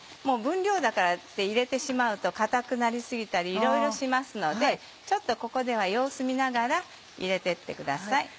分量だからって入れてしまうと硬くなり過ぎたりいろいろしますのでちょっとここでは様子見ながら入れてってください。